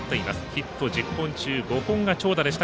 ヒット１０本中５本が長打でした。